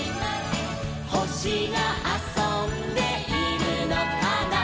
「ほしがあそんでいるのかな」